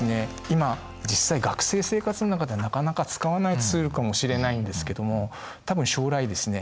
今実際学生生活の中ではなかなか使わないツールかもしれないんですけども多分将来ですね